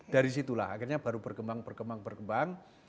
dari situlah akhirnya baru berkembang berkembang